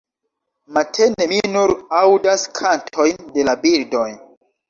Matene, mi nur aŭdas kantojn de la birdoj.